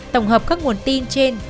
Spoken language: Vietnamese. tổng hợp các nguồn tin trên